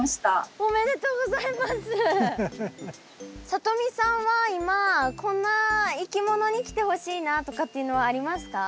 さとみさんは今こんないきものに来てほしいなとかっていうのはありますか？